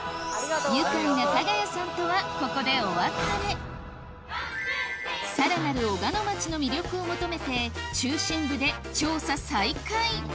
愉快な多賀谷さんとはここでお別れさらなる小鹿野町の魅力を求めて中心部で調査再開